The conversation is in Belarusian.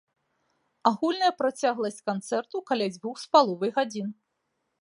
Агульная працягласць канцэрту каля дзвюх з паловай гадзін.